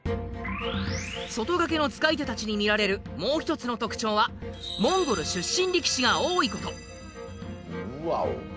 外掛けの使い手たちに見られるもう一つの特徴はモンゴル出身力士が多いこと。